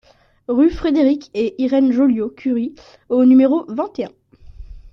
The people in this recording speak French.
Rue Frédéric et Irène Joliot-Curie au numéro vingt et un